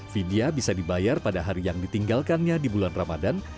vidya bisa dibayar pada hari yang ditinggalkannya di bulan ramadan